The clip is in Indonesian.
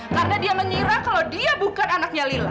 karena dia menyerang kalau dia bukan anaknya lila